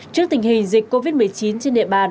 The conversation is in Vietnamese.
trước tình hình dịch covid một mươi chín trên địa bàn